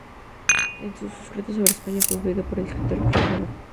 En sus escritos sobre España, fue influido por el escritor Pío Baroja.